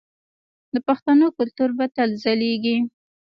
د پښتنو کلتور به تل ځلیږي.